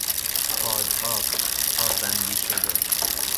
پاد آب، آب بندی شده